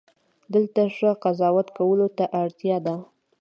دلته ښه قضاوت کولو ته اړتیا ده.